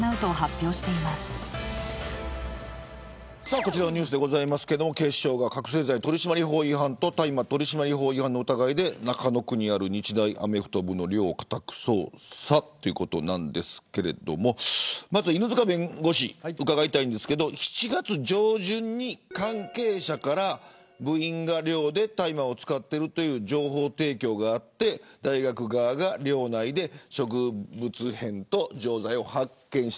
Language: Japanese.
こちらのニュースですけど警視庁が覚せい剤取締法違反と大麻取締法違反の疑いで中野区にある日大アメフト部の寮を家宅捜査ということですが犬塚弁護士、伺いたいんですが７月上旬に関係者から部員が寮で大麻を使っているという情報提供があって大学側が寮内で植物片と錠剤を発見した。